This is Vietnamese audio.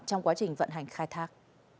trong quá trình vận hành khai thác